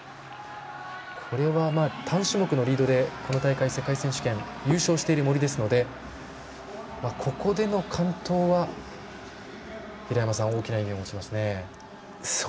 これは単種目のリードで今大会優勝している森ですのでここでの完登は大きな意味を持ちますね。